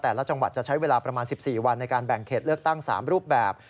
จังหวัดจะใช้เวลาประมาณ๑๔วันในการแบ่งเขตเลือกตั้ง๓รูปแบบ